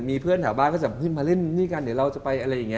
มีเพื่อนแถวบ้านก็จะขึ้นมาเล่นนี่กันเดี๋ยวเราจะไปอะไรอย่างนี้